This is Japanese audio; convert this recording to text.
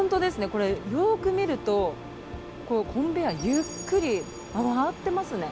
これよく見るとコンベアゆっくり回ってますね。